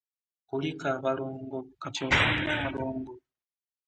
Kulika abalongo, kati oli nnalongo.